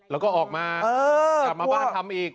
แล้วก็ออกมากลับมาบรรทัพย์อีก